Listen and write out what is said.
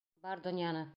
Бар донъяны.